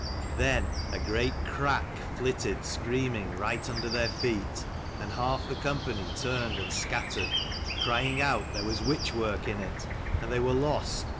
Then a great crack flitted scream ing right under their feet, and half the company turned and scattered, crying out there was witch work in it, and they were lost.